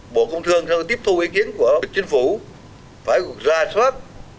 bộ công thương sẽ tiếp thu ý kiến của chính phủ phải ra soát